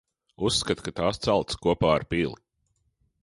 Uzskata, ka tās celtas kopā ar pili.